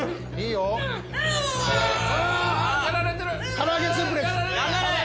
唐揚げスープレックス。